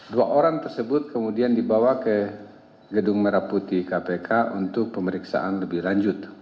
dua orang tersebut kemudian dibawa ke gedung merah putih kpk untuk pemeriksaan lebih lanjut